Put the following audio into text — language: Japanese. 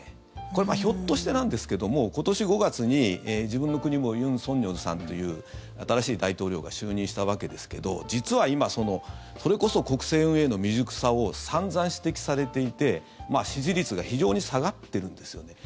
これ、ひょっとしてなんですけど今年５月に自分の国も尹錫悦さんという新しい大統領が就任したわけですけど実は今、それこそ国政運営の未熟さを散々、指摘されていて支持率が非常に下がっているんですよね。